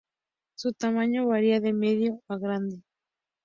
Su tamaño varía de medio a grande.